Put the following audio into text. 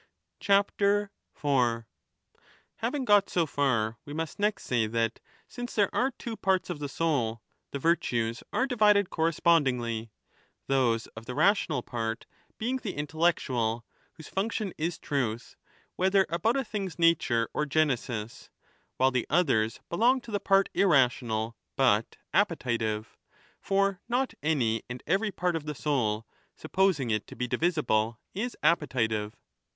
Having got so far, we must next say that, since there 4 are two parts of the soul, the virtues are divided corre spondingly, those of the rational part being the intellectual, 30 whose function is truth, whether about a thing's nature or genesis, while the others belong to the part irrational but appetitive — for not any and every part of the soul, sup posing it to be divisible, is appetitive.